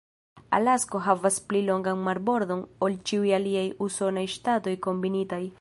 Alasko havas pli longan marbordon ol ĉiuj aliaj usonaj ŝtatoj kombinitaj.